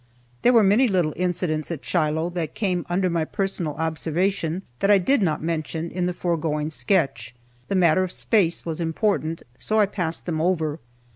There were many little incidents at Shiloh that came under my personal observation that I did not mention in the foregoing sketch. The matter of space was important, so I passed them over.